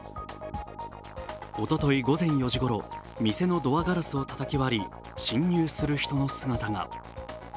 おととい午前４時ごろ、店のドアガラスをたたき割り、侵入する人の姿が。